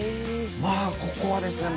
まあここはですね